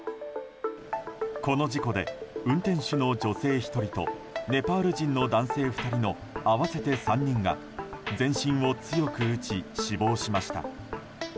この事故で運転手の女性１人とネパール人の男性２人の合わせて３人が全身を強く打ち死亡しました。